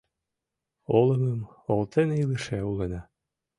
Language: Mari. Олымым олтен илыше улына.